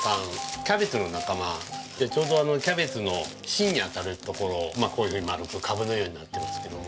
キャベツの仲間でちょうどキャベツの芯にあたるところこういうふうに丸くカブのようになってますけども。